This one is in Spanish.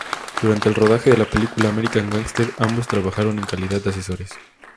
Durante el rodaje de la película "American Gangster", ambos trabajaron en calidad de asesores.